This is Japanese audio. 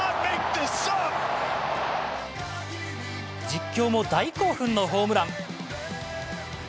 実況も大興奮のホームラン。